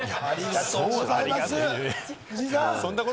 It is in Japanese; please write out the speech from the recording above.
ありがとうございます、藤井さん。